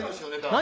何？